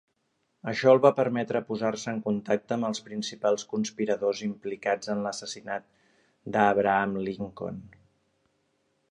Això el va permetre posar-se en contacte amb els principals conspiradors implicats en l'assassinat d'Abraham Lincoln.